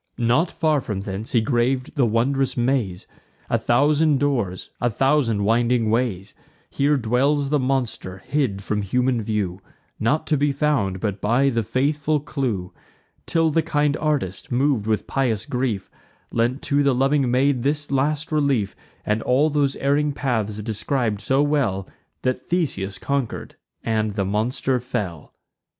Not far from thence he grav'd the wondrous maze, A thousand doors, a thousand winding ways: Here dwells the monster, hid from human view, Not to be found, but by the faithful clue; Till the kind artist, mov'd with pious grief, Lent to the loving maid this last relief, And all those erring paths describ'd so well That Theseus conquer'd and the monster fell.